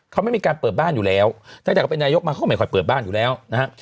เขาไม่มีการเปิดบ้านอยู่แล้วตั้งแต่ก็เป็นนายกมาเขาก็ไม่ค่อยเปิดบ้านอยู่แล้วนะฮะ